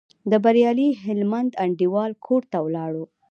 د بریالي هلمند انډیوال کور ته ولاړو.